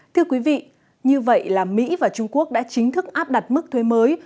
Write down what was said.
thưa quý vị như vậy là mỹ và trung quốc đã chính thức áp đặt mức thuê mới